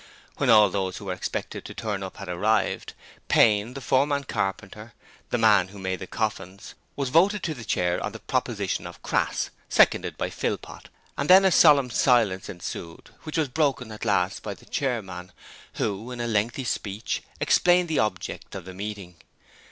When all those who were expected to turn up had arrived, Payne, the foreman carpenter the man who made the coffins was voted to the chair on the proposition of Crass, seconded by Philpot, and then a solemn silence ensued, which was broken at last by the chairman, who, in a lengthy speech, explained the object of the meeting.